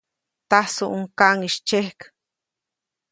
Tajsuʼuŋ kaŋʼis tsyejk.